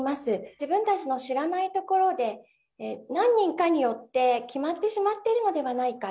自分たちの知らないところで何人かによって決まってしまっているのではないか。